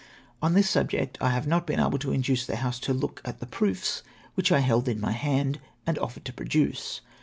On this subject I have not been able to induce the House to look at the proofs which I held in my hand, and offered to produce.